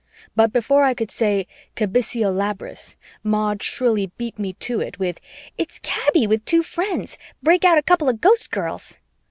But before I could say, "Kabysia Labrys," Maud shrilly beat me to it with, "It's Kaby with two friends. Break out a couple of Ghostgirls."